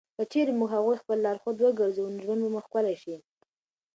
که چېرې موږ هغوی خپل لارښود وګرځوو، نو ژوند به مو ښکلی شي.